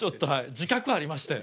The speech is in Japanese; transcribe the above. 自覚ありましてん。